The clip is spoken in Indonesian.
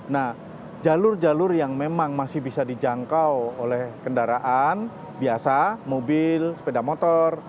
nah jalur jalur yang memang masih bisa dijangkau oleh kendaraan biasa mobil sepeda motor